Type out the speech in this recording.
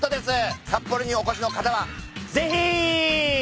札幌にお越しの方はぜひ！